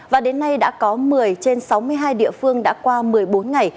và đến nay đã có một mươi trên sáu mươi hai địa phương đã qua một mươi bốn ngày